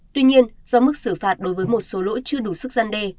tuy nhiên do mức xử phạt đối với một số lỗi chưa đủ sức gian đe